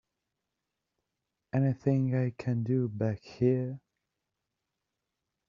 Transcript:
Anything I can do back here?